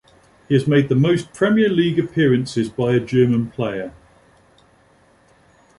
He has made the most Premier League appearances by a German player.